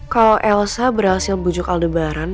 kalau elsa berhasil bujuk aldebaran